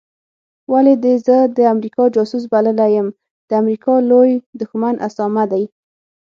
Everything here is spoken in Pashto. ولي دي زه د امریکا جاسوس بللی یم د امریکا لوی دښمن اسامه دی